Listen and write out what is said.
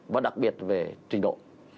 và đặc biệt về trình độ